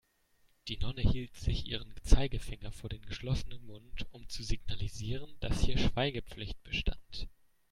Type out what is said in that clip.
Die Nonne hielt sich ihren Zeigefinger vor den geschlossenen Mund, um zu signalisieren, dass hier Schweigepflicht bestand.